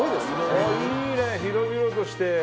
あっいいね広々として。